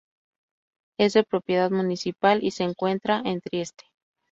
Es de propiedad municipal y se encuentra en Trieste.